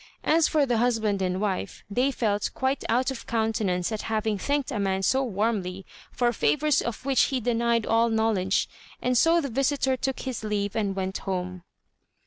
As for the husband and wife, they felt quite out of countenance at having thanked a man so warmly for favours of which he denied all knowledge; and so the visitor took his leave and went home.